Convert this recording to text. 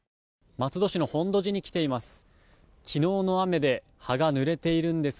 松戸市の本土寺に来ています。